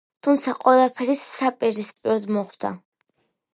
თუმცა ყველაფერი საპირისპიროდ მოხდა.